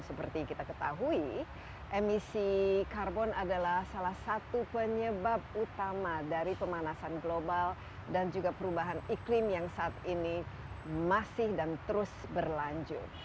seperti kita ketahui emisi karbon adalah salah satu penyebab utama dari pemanasan global dan juga perubahan iklim yang saat ini masih dan terus berlanjut